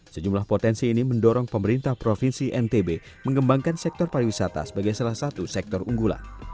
sejumlah potensi ini mendorong pemerintah provinsi ntb mengembangkan sektor pariwisata sebagai salah satu sektor unggulan